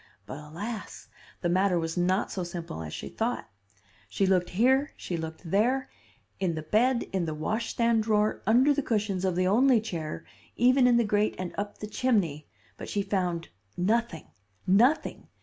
But alas! the matter was not so simple as she thought. She looked here, she looked there; in the bed, in the washstand drawer, under the cushions of the only chair, even in the grate and up the chimney; but she found nothing nothing!